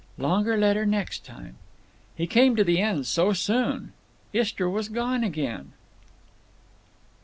Longer letter next time. He came to the end so soon. Istra was gone again.